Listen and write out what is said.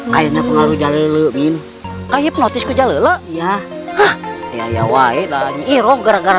kayaknya pengaruh jalele minh kaip notice ke jalele iya ya ya ya wae dan iroh gara gara